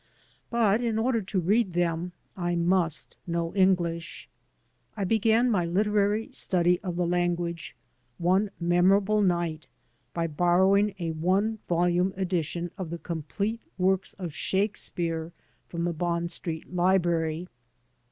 But in order to read them I must know English. I began my hterary study of the lan guage one memorable night by borrowing a one volume edition of the complete works of Shakespeare from the Bond Street library.